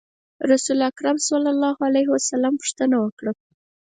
رسول اکرم صلی الله علیه وسلم پوښتنه وکړه.